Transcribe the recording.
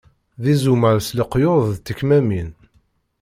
D izumal s leqyud d tekmamin!